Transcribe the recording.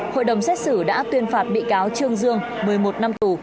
hội đồng xét xử đã tuyên phạt bị cáo trương dương một mươi một năm tù